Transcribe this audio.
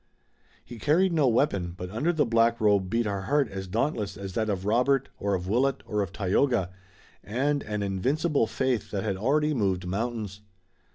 He carried no weapon but under the black robe beat a heart as dauntless as that of Robert, or of Willet, or of Tayoga, and an invincible faith that had already moved mountains.